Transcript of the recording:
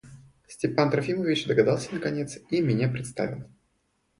Степан Трофимович догадался наконец и меня представил.